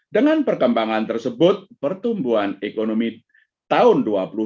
dengan perkembangan tersebut pertumbuhan ekonomi tahun dua ribu dua puluh